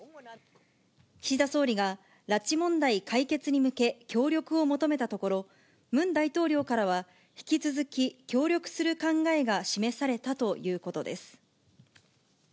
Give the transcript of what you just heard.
岸田総理が拉致問題解決に向け、協力を求めたところ、ムン大統領からは、引き続き協力する考えが示されたということです。